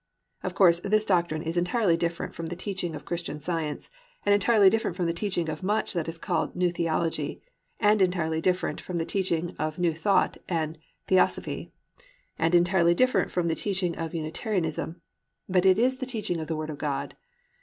Of course, this doctrine is entirely different from the teaching of Christian Science, and entirely different from the teaching of much that is called New Theology, and entirely different from the teaching of New Thought and Theosophy, and entirely different from the teaching of Unitarianism, but it is the teaching of the Word of God.